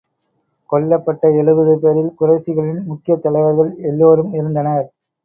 கொல்லப்பட்ட எழுபது பேரில், குறைஷிகளின் முக்கியத் தலைவர்கள் எல்லோரும் இருந்தனர்.